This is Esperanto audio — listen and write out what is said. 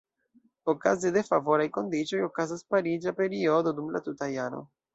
Okaze de favoraj kondiĉoj okazas pariĝa periodo dum la tuta jaro.